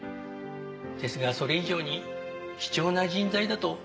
ですがそれ以上に貴重な人材だと私は思います。